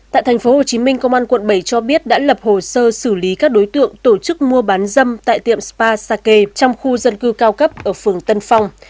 tại thành phố hồ chí minh công an quận bảy cho biết đã lập hồ sơ xử lý các đối tượng tổ chức mua bán dâm tại tiệm spa sake trong khu dân cư cao cấp ở phường tân phong